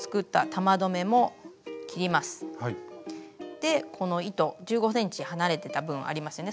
でこの糸１５ｃｍ離れてた分ありますよね。